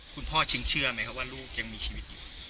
คุณพ่อชิงเชื่อไหมครับว่าลูกยังมีชีวิตอยู่